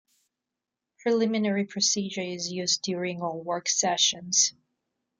Parliamentary procedure is used during all work sessions.